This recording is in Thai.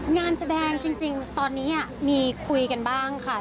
งานแสดงจริงตอนนี้มีคุยกันบ้างค่ะ